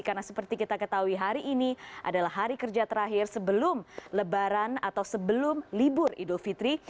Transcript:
karena seperti kita ketahui hari ini adalah hari kerja terakhir sebelum lebaran atau sebelum libur idul fitri